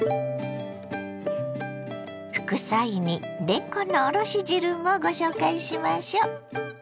副菜にれんこんのおろし汁もご紹介しましょ。